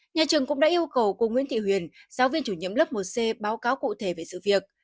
nhà trường cũng đã yêu cầu cô nguyễn thị huyền giáo viên chủ nhiệm lớp một c báo cáo cụ thể về sự việc